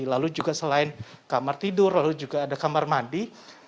lalu juga selain kamar tidur lalu juga ada kamar mandi